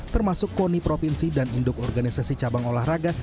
termasuk koni provinsi dan induk organisasi cabang olahraga